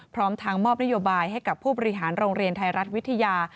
พร้อมทางมอบนโยบายให้กับผู้บริหารโรงเรียนไทยรัฐวิทยา